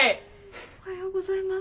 おはようございます。